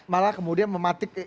malah kemudian mematik